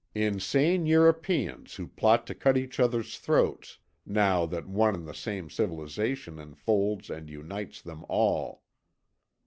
"Insane Europeans who plot to cut each others' throats, now that one and the same civilisation enfolds and unites them all!